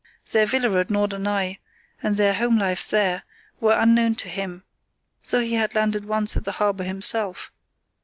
Their villa at Norderney, and their home life there, were unknown to him, though he had landed once at the harbour himself.